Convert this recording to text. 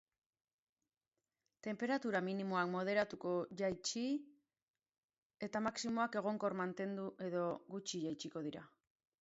Tenperatura minimoak moderatuko jaitsi eta maximoak egonkor mantendu edo gutxi jaitsiko dira.